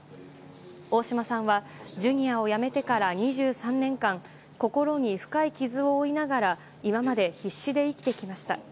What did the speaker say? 大島さんはＪｒ．を辞めてから２３年間心に深い傷を負いながら今まで必死で生きてきました。